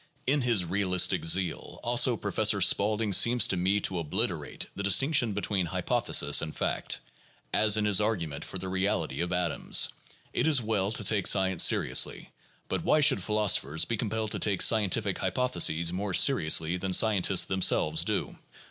In his realistic zeal, also, Professor Spaulding seems to me to obliterate the distinc tion between hypothesis and fact, as in his argument for the reality of atoms. It is well to take science seriously, but why should philoso phers be compelled to take scientific hypotheses more seriously than scientists themselves do?